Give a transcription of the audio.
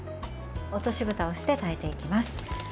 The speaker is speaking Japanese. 落としぶたをして炊いていきます。